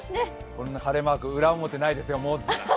こんな晴れマーク、裏表ないですよ。